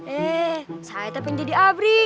eh saya teh yang jadi abri